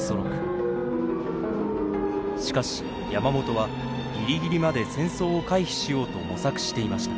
しかし山本はギリギリまで戦争を回避しようと模索していました。